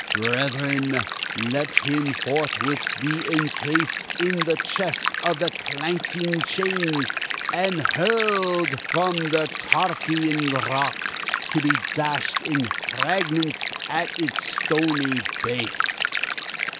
Brethren, let him forthwith be encased in the Chest of the Clanking Chains, and hurled from the Tarpeian Rock, to be dashed in fragments at its stony base!"